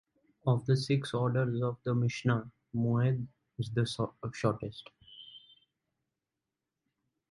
Of the six orders of the Mishna, Moed is the third shortest.